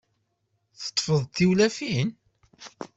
Teṭṭfeḍ-d tiwlafin?